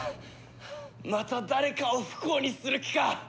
また誰かを不幸にする気か！？